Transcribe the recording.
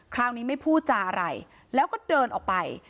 คราวนี้ไม่พูดจาอะไรแล้วก็เดินออกไป